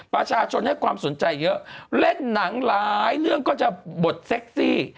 ประชาชนให้ความสนใจเยอะเล่นหนังหลายเรื่องก็จะบทเซ็กซี่